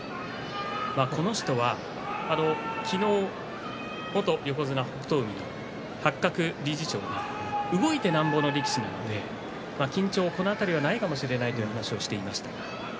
この人は昨日、元横綱北勝海八角理事長が動いてなんぼの力士なので緊張、この辺りないかもしれないという話をしていました。